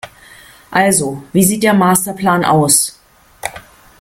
Also, wie sieht der Masterplan aus?